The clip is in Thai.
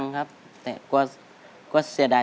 ใช่